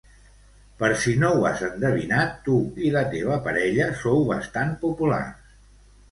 Per si no has endevinat, tu i la teva parella sou bastant populars.